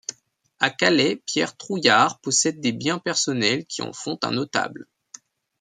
À Calais Pierre Trouillart possède des biens personnels qui en font un notable.